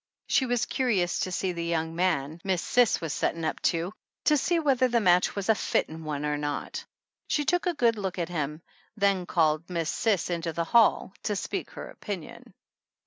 She was curious to see the young man "Miss Cis was settin* up to, to see whether the match was a fittin' one or not." She took a good look at him, then called Miss Cis into the hall to speak her opinion.